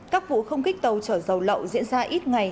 các vụ không kích tàu chở dầu lậu diễn ra ít ngày